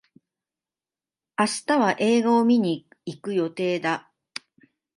明日は映画を観に行く予定だ。